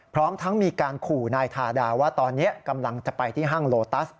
พร้อมทั้งมีการขู่นายทาดาว่าตอนนี้กำลังจะไปที่ห้างโลตัส